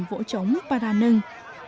vỗ trống paranưng